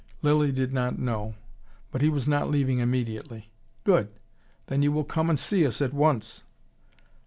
Lilly did not know: but he was not leaving immediately. "Good! Then you will come and see us at once...."